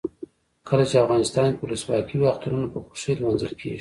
کله چې افغانستان کې ولسواکي وي اخترونه په خوښۍ لمانځل کیږي.